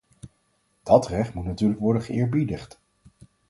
Dat recht moet natuurlijk worden geëerbiedigd.